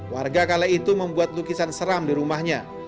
warga kala itu membuat lukisan seram di rumahnya